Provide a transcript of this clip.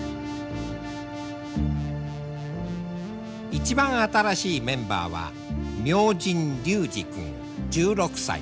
一番新しいメンバーは明神隆治君１６歳。